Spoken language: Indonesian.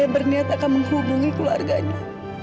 berniat akan menghubungi keluarganya